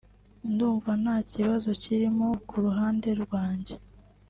ndumva nta kibazo kirimo ku ruhande rwanjye